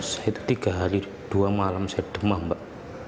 saya itu tiga hari dua malam saya demam mbak